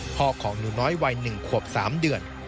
ของหนูน้อยวัย๑ขวบ๓เดือน